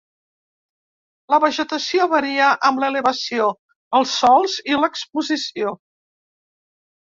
La vegetació varia amb l'elevació, els sòls i l'exposició.